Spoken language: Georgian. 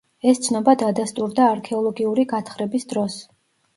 ეს ცნობა დადასტურდა არქეოლოგიური გათხრების დროს.